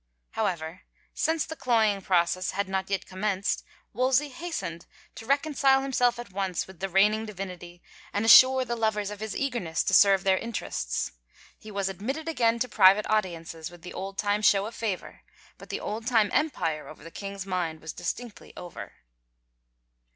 However, since the cloying process had not yet com menced, Wolsey hastened to reconcile himself at once with the reigning divinity and assure the lovers of his eagerness to serve their interests. He was admitted again to private audiences with the old time show of favor, but the old time empire over the king's mind was distinctly over.